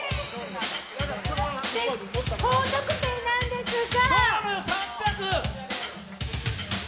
高得点なんですが！